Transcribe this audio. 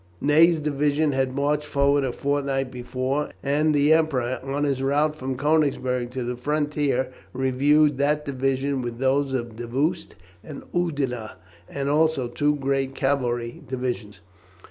Ney's division had marched forward a fortnight before, and the Emperor on his route from Konigsberg to the frontier reviewed that division with those of Davoust and Oudinot, and also two great cavalry divisions.